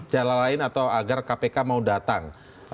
jalan lain atau agar kpk mau datang